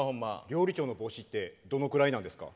料理長の帽子ってどのくらいなんですか？